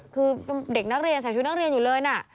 คือเด็กนักเรียนใส่ชุดนักเรียนอยู่เลยนะ